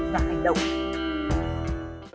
và hành động